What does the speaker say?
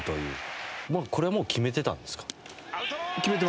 これはもう決めてたんですか？